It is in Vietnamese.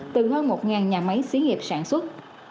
từ hơn một nhà máy xí nghiệp sản xuất